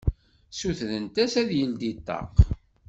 Sutrent-as ad yeldi ṭṭaq.